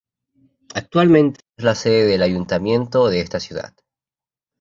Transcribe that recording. Actualmente es la sede del ayuntamiento de esta ciudad.